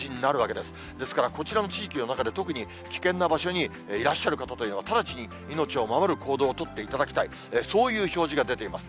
ですからこちらの地域の中で特に危険な場所にいらっしゃる方というのは、直ちに命を守る行動を取っていただきたい、そういう表示が出ています。